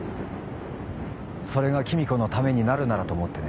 それが君子のためになるならと思ってね。